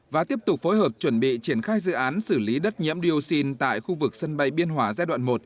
và tiếp tục phối hợp chuẩn bị triển khai dự án xử lý đất nhiễm dioxin tại khu vực sân bay biên hòa giai đoạn một